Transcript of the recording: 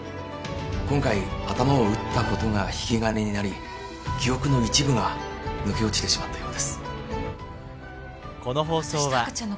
今回頭を打ったことが引き金になり記憶の一部が抜け落ちてしまったようです。